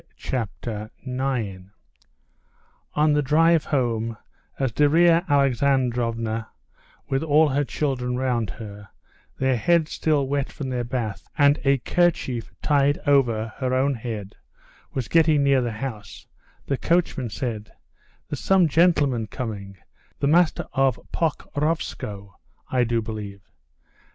Chapter 9 On the drive home, as Darya Alexandrovna, with all her children round her, their heads still wet from their bath, and a kerchief tied over her own head, was getting near the house, the coachman said, "There's some gentleman coming: the master of Pokrovskoe, I do believe."